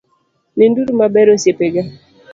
Ninduru maber osiepega